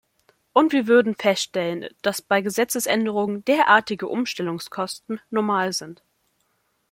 Und wir würden feststellen, dass bei Gesetzesänderungen derartige Umstellungskosten normal sind.